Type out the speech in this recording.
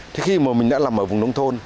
thế khi mà mình đã làm ở vùng nông thôn